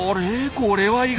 これは意外！